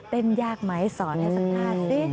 เต้นยากไหมสอนให้สักท่านซิ